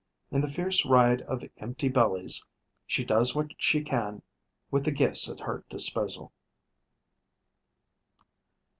In the fierce riot of empty bellies, she does what she can with the gifts at her disposal.